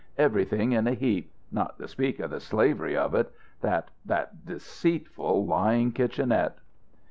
Everything in a heap. Not to speak of the slavery of it. That that deceitful, lying kitchenette."